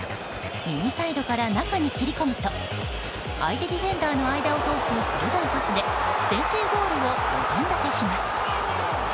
右サイドから中に切り込むと相手ディフェンダーの間を通す鋭いパスで先制ゴールをお膳立てします。